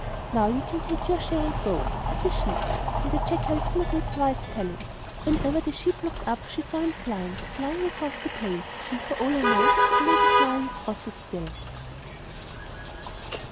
'Now you can take your share and go,' said the sheep. And the jackal did not need twice telling! Whenever the sheep looked up, she still saw him flying, flying across the plain; and, for all I know, he may be flying across it still.